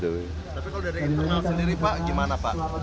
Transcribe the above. tapi kalau dari internal sendiri pak gimana pak